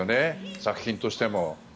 作品としても。